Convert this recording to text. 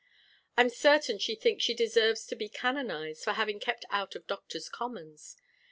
I'm certain she thinks she deserves to be canonised for having kept out of Doctors' Commons.